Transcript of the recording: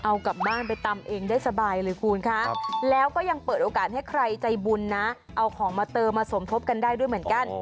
เอากลับบ้านไปตำเองได้สบายเลยคุณคะแล้วก็ยังเปิดโอกาสให้ใครใจบุญนะเอาของมาเติมมาสมทบกันได้ด้วยเหมือนกัน